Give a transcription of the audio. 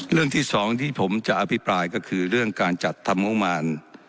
เรื่องที่สองที่ผมจะอภิปรายก็คือเรื่องการจัดทำงบมาร